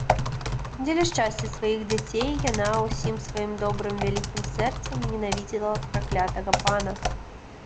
Дзеля шчасця сваіх дзяцей яна, усім сваім добрым вялікім сэрцам, ненавідзела праклятага пана.